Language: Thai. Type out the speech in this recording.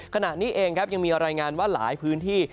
ขณะนี้เองครับยังมีรายงานว่าหลายพื้นที่